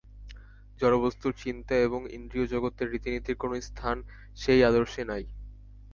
জড়বস্তুর চিন্তা এবং ইন্দ্রিয়-জগতের রীতিনীতির কোন স্থান সেই আদর্শে নাই।